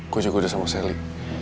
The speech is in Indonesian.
gue jago dia sama selly